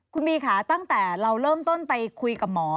คุณบีค่ะตั้งแต่เราเริ่มต้นไปคุยกับหมอ